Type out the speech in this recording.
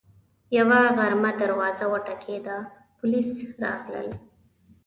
یوه غرمه دروازه وټکېده، پولیس راغلل